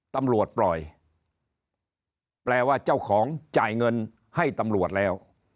ตำรวจปล่อยแปลว่าเจ้าของจ่ายเงินให้ตำรวจแล้ว